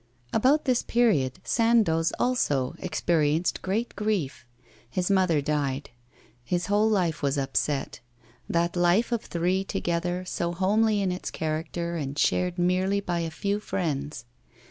About this period Sandoz also experienced great grief. His mother died, his whole life was upset that life of three together, so homely in its character, and shared merely by a few friends.